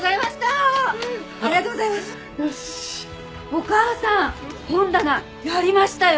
お義母さん本棚やりましたよ！